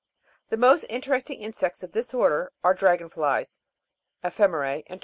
The most interesting insects of this order are the Dragon flies, Ephe'merce, and Termites.